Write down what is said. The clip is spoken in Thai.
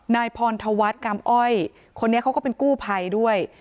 นายพรธวัฒน์กรรมอ้อยคนนี้เขาก็เป็นกู้ภัยด้วย